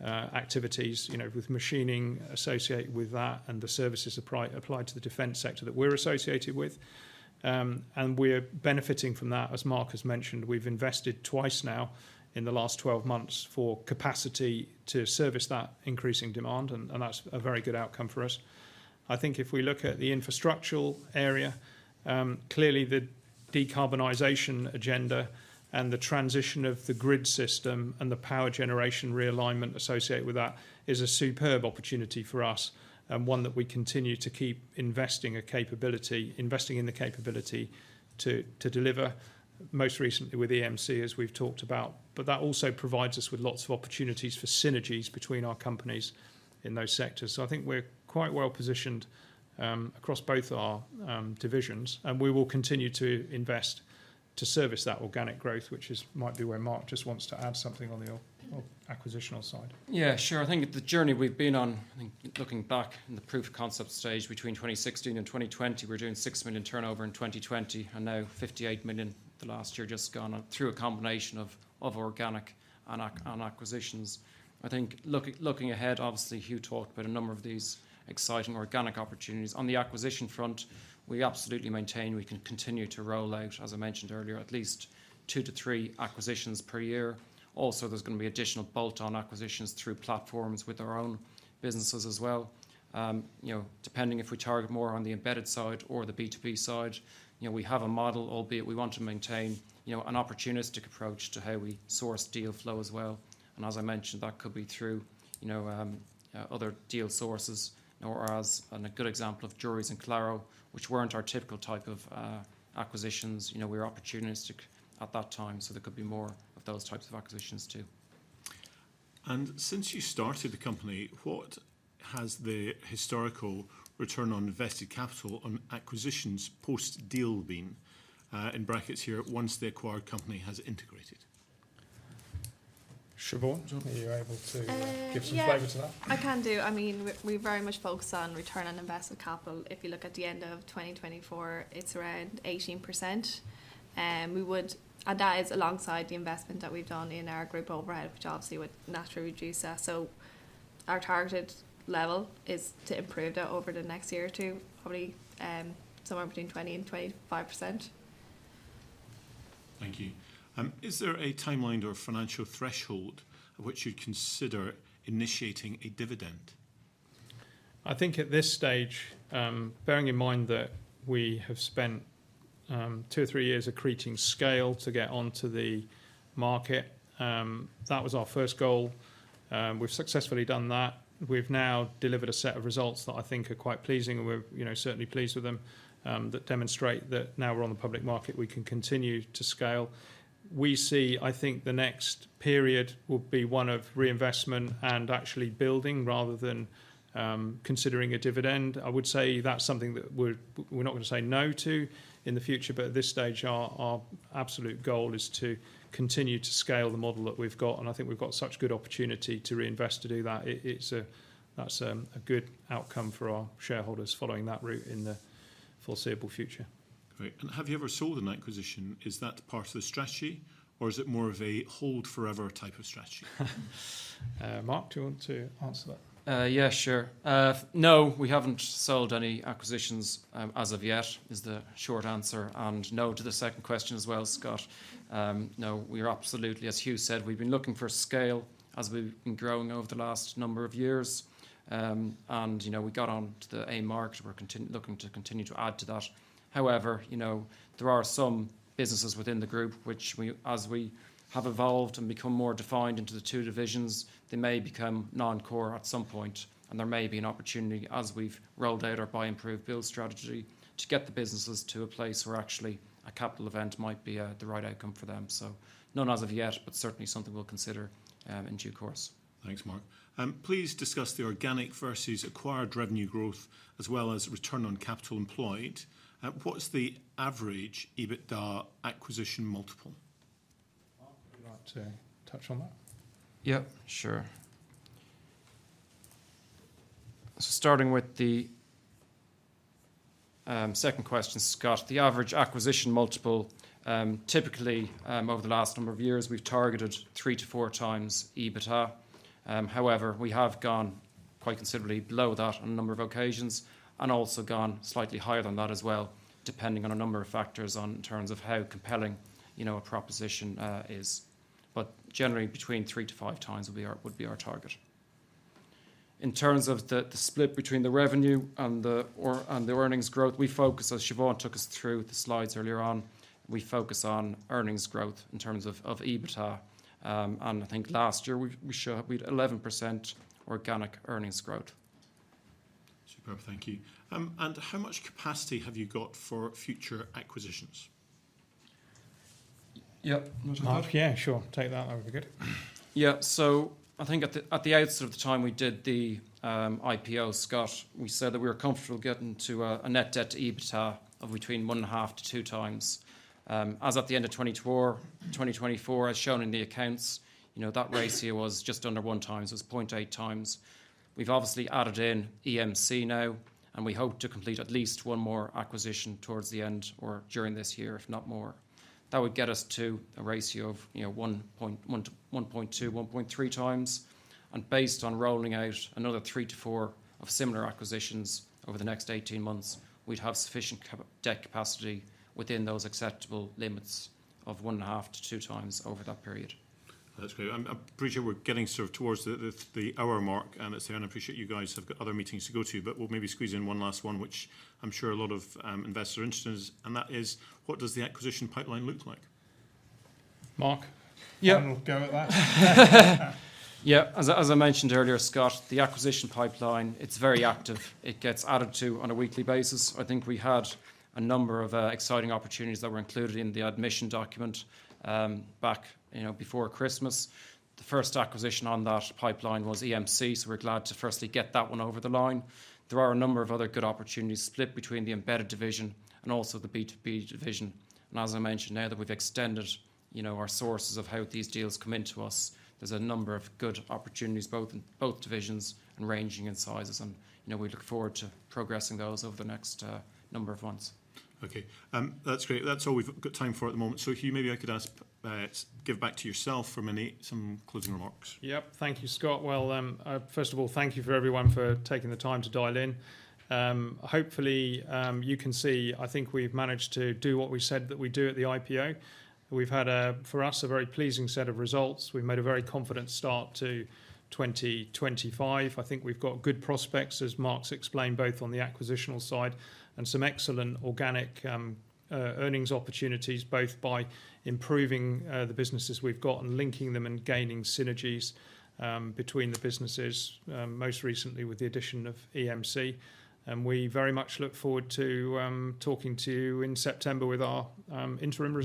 activities, with machining associated with that and the services applied to the defense sector that we're associated with. We are benefiting from that. As Mark has mentioned, we've invested twice now in the last 12 months for capacity to service that increasing demand, and that's a very good outcome for us. I think if we look at the infrastructural area, clearly the decarbonization agenda and the transition of the grid system and the power generation realignment associated with that is a superb opportunity for us, and one that we continue to keep investing in the capability to deliver, most recently with EMC, as we've talked about. That also provides us with lots of opportunities for synergies between our companies in those sectors. I think we're quite well-positioned across both our divisions, and we will continue to invest to service that organic growth, which might be where Mark just wants to add something on the acquisitional side. Yeah, sure. I think the journey we've been on, I think looking back in the proof of concept stage between 2016 and 2020, we are doing 6 million turnover in 2020, and now 58 million the last year just gone through a combination of organic and acquisitions. I think looking ahead, obviously Hugh talked about a number of these exciting organic opportunities. On the acquisition front, we absolutely maintain we can continue to roll out, as I mentioned earlier, at least two to three acquisitions per year. Also, there is going to be additional bolt-on acquisitions through platforms with our own businesses as well. Depending if we target more on the embedded side or the B2B side. We have a model, albeit we want to maintain an opportunistic approach to how we source deal flow as well. As I mentioned, that could be through other deal sources or as, and a good example of Drury's and Claro, which were not our typical type of acquisitions. We were opportunistic at that time, so there could be more of those types of acquisitions, too. Since you started the company, what has the historical return on invested capital on acquisitions post-deal been, in brackets here, once the acquired company has integrated? Siobhán, are you able to give some flavor to that? I can do. We very much focus on return on invested capital. If you look at the end of 2024, it's around 18%. That is alongside the investment that we've done in our group overhead, which obviously would naturally reduce that. Our targeted level is to improve that over the next year or two, probably somewhere between 20% and 25%. Thank you. Is there a timeline or financial threshold at which you'd consider initiating a dividend? I think at this stage, bearing in mind that we have spent two or three years accreting scale to get onto the market, that was our first goal. We've successfully done that. We've now delivered a set of results that I think are quite pleasing, and we're certainly pleased with them, that demonstrate that now we're on the public market, we can continue to scale. We see, I think, the next period will be one of reinvestment and actually building rather than considering a dividend. I would say that's something that we're not going to say no to in the future, but at this stage, our absolute goal is to continue to scale the model that we've got, and I think we've got such good opportunity to reinvest to do that. That's a good outcome for our shareholders following that route in the foreseeable future. Great. Have you ever sold an acquisition? Is that part of the strategy, or is it more of a hold forever type of strategy? Mark, do you want to answer that? Yeah, sure. No, we haven't sold any acquisitions as of yet, is the short answer. No to the second question as well, Scott. No, we are absolutely, as Hugh said, we've been looking for scale as we've been growing over the last number of years. We got onto the A market. We're looking to continue to add to that. However, there are some businesses within the group, which as we have evolved and become more defined into the two divisions, they may become non-core at some point, and there may be an opportunity as we've rolled out our buy, improve, build strategy to get the businesses to a place where actually a capital event might be the right outcome for them. None as of yet, but certainly something we'll consider in due course. Thanks, Mark. Please discuss the organic versus acquired revenue growth, as well as return on capital employed. What's the average EBITDA acquisition multiple? Mark, would you like to touch on that? Yep, sure. Starting with the second question, Scott, the average acquisition multiple, typically, over the last number of years, we've targeted three to four times EBITDA. However, we have gone quite considerably below that on a number of occasions and also gone slightly higher than that as well, depending on a number of factors on in terms of how compelling a proposition is. Generally, between three to five times would be our target. In terms of the split between the revenue and the earnings growth, as Siobhán took us through the slides earlier on, we focus on earnings growth in terms of EBITDA. I think last year we had 11% organic earnings growth. Superb. Thank you. How much capacity have you got for future acquisitions? Yep. Do you want to take that? Mark? Yeah, sure. Take that. That would be good. At the outset of the time we did the IPO, Scott, we said that we were comfortable getting to a net debt to EBITDA of between 1.5-2 times. As at the end of 2024, as shown in the accounts, that ratio was just under one time. It was 0.8 times. We've obviously added in EMC now, we hope to complete at least one more acquisition towards the end or during this year, if not more. That would get us to a ratio of 1.2, 1.3 times. Based on rolling out another 3-4 similar acquisitions over the next 18 months, we'd have sufficient debt capacity within those acceptable limits of 1.5-2 times over that period. That's great. I'm pretty sure we're getting sort of towards the hour mark, I appreciate you guys have got other meetings to go to, we'll maybe squeeze in one last one, which I'm sure a lot of investors are interested in, and that is, what does the acquisition pipeline look like? Mark? Yep. Have a go at that. As I mentioned earlier, Scott, the acquisition pipeline, it's very active. It gets added to on a weekly basis. I think we had a number of exciting opportunities that were included in the admission document back before Christmas. The first acquisition on that pipeline was EMC, so we're glad to firstly get that one over the line. There are a number of other good opportunities split between the embedded division and also the B2B division. As I mentioned, now that we've extended our sources of how these deals come into us, there's a number of good opportunities, both divisions and ranging in sizes, we look forward to progressing those over the next number of months. That's great. That's all we've got time for at the moment. Hugh, maybe I could ask, give back to yourself for maybe some closing remarks. Yep. Thank you, Scott. First of all, thank you for everyone for taking the time to dial in. Hopefully, you can see, I think we've managed to do what we said that we'd do at the IPO. We've had a, for us, a very pleasing set of results. We've made a very confident start to 2025. I think we've got good prospects, as Mark's explained, both on the acquisitional side and some excellent organic earnings opportunities, both by improving the businesses we've got and linking them and gaining synergies between the businesses, most recently with the addition of EMC. We very much look forward to talking to you in September with our interim results.